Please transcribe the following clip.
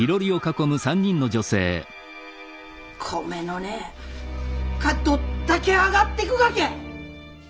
米の値かどっだけ上がってくがけ！